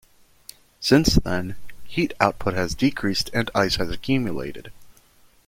Since then heat output has decreased and ice has accumulated.